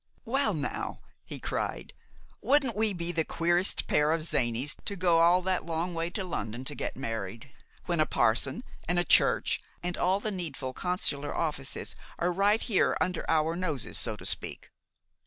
"Well, now," he cried, "wouldn't we be the queerest pair of zanies to go all that long way to London to get married when a parson, and a church, and all the needful consular offices are right here under our noses, so to speak.